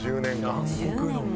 １０年間。